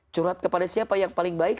curhat kepada siapa yang paling baik